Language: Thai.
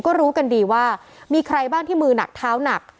ก็รู้กันดีว่ามีใครบ้างที่มือหนักเท้าหนัก